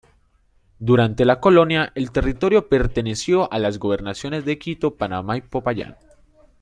Durante la colonia el territorio perteneció a las gobernaciones de Quito, Panamá y Popayán.